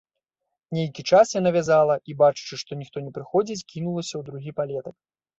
Нейкі час яна вязала і, бачачы, што ніхто не прыходзіць, кінулася ў другі палетак.